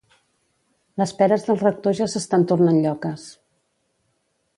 Les peres del rector ja s'estan tornant lloques